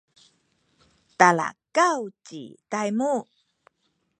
talakaw ci Taymu